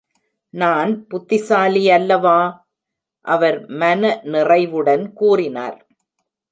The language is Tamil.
"நான் புத்திசாலி அல்லவா?" அவர் மனநிறைவுடன் கூறினார்.